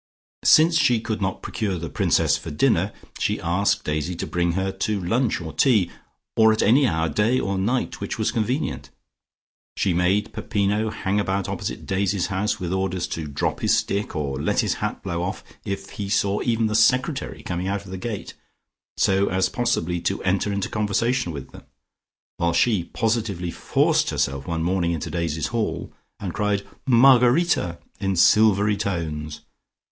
Since she could not procure the Princess for dinner, she asked Daisy to bring her to lunch or tea or at any hour day or night which was convenient. She made Peppino hang about opposite Daisy's house, with orders to drop his stick, or let his hat blow off, if he saw even the secretary coming out of the gate, so as possibly to enter into conversation with him, while she positively forced herself one morning into Daisy's hall, and cried "Margarita" in silvery tones.